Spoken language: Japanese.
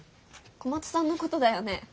小松さんのことだよね？